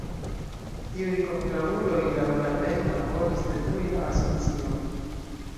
Tiuj kontraŭuloj laŭ Lapenna volis detrui la Asocion.